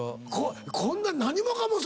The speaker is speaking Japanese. こんな何もかも。